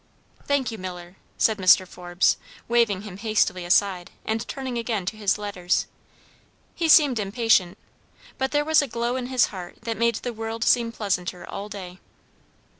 '" "Thank you, Miller," said Mr. Forbes, waving him hastily aside and turning again to his letters. He seemed impatient, but there was a glow in his heart that made the world seem pleasanter all day.